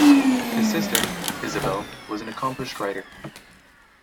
His sister, Isabel, was an accomplished writer.